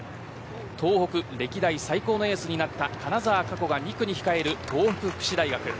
東北歴代最高のエースになった金澤佳子が２区に控える東北福祉大学。